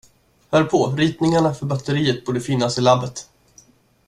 Hör på, ritningarna för batteriet borde finnas i labbet.